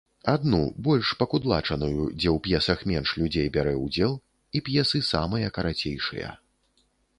Адну, больш пакудлачаную, дзе у п'есах менш людзей бярэ ўдзел, і п'есы самыя карацейшыя.